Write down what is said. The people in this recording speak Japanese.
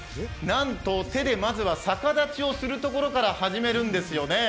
なんと手でまずは逆立ちするところから始めるんです。